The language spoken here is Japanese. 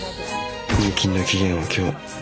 入金の期限は今日。